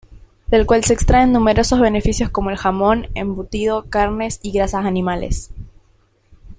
Del cual se extraen numerosos beneficios como el jamón, embutidos, carnes y grasas animales.